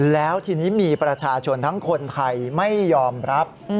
แล้วทีนี้มีประชาชนทั้งคนไทยไม่ยอมรับ